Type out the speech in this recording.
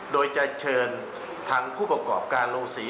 โดยจะเชิญทางผู้ประกอบการโรงศรี